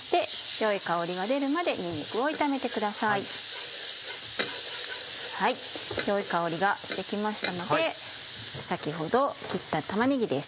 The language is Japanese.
良い香りがして来ましたので先ほど切った玉ねぎです。